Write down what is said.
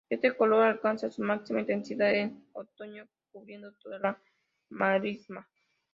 Este color alcanza su máxima intensidad en otoño cubriendo toda la marisma.